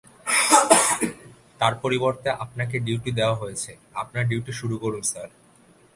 তার পরিবর্তে আপনাকে ডিউটি দেয়া হয়েছে আপনার ডিউটি শুরু করুন, স্যার।